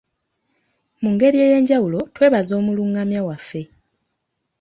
Mu ngeri ey’enjawulo twebaza omulungamya waffe.